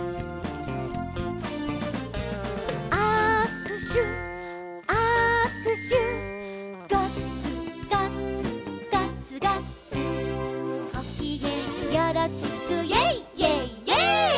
「あくしゅあくしゅ」「ガッツガッツガッツガッツ」「ごきげんよろしく」「イェイイェイイェイ！」